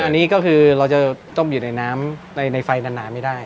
อันนี้ก็คือเราจะต้มอยู่ในน้ำในไฟนานไม่ได้